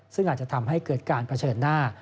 ซึ่งอาจจะทำให้เกิดการเผชิญหน้า